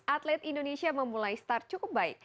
atlet indonesia memulai start cukup baik